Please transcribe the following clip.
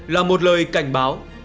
là một lời cảnh báo